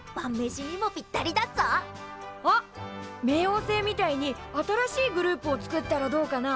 冥王星みたいに新しいグループを作ったらどうかな？